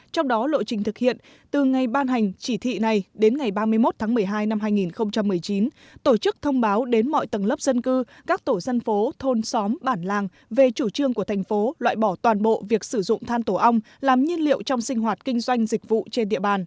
trong đó lộ trình thực hiện từ ngày ban hành chỉ thị này đến ngày ba mươi một tháng một mươi hai năm hai nghìn một mươi chín tổ chức thông báo đến mọi tầng lớp dân cư các tổ dân phố thôn xóm bản làng về chủ trương của thành phố loại bỏ toàn bộ việc sử dụng than tổ ong làm nhiên liệu trong sinh hoạt kinh doanh dịch vụ trên địa bàn